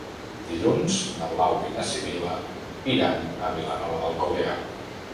Dilluns na Blau i na Sibil·la iran a Vilanova d'Alcolea.